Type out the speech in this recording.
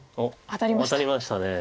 当たりました。